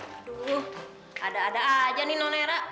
aduh ada ada aja nih nolera